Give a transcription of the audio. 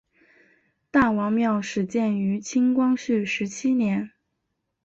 大王庙始建于清光绪十七年。